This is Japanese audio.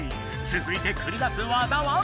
つづいてくり出す技は？